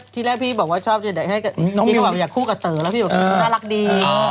ที่แรกพี่ให้จะคู่กับเต๋อแล้วพี่บอกน่ารักดี